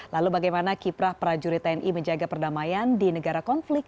lalu bagaimana kiprah prajurit tni menjaga perdamaian di negara konflik